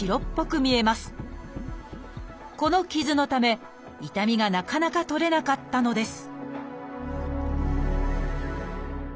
この傷のため痛みがなかなか取れなかったのです